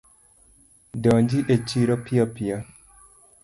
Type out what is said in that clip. Donji e chiro piyo piyo